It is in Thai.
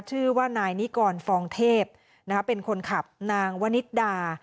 ชื่อว่านายนิกรฟองเทพเป็นคนขับนางวนิดดา